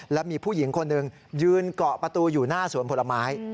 และมีผู้หญิงคนหนึ่งยืนเกาะประตูอยู่หน้าสวนผลไม้